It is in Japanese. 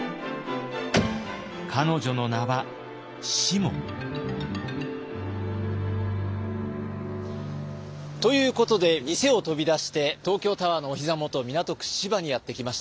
彼女の名は「しも」。ということで店を飛び出して東京タワーのおひざ元港区芝にやって来ました。